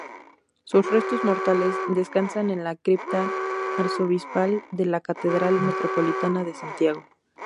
Sus restos mortales descansan en la cripta arzobispal de la Catedral Metropolitana de Santiago.